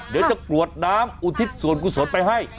เดี๋ยวจะกรวดน้ำอุทิศส่วนกุศลไปให้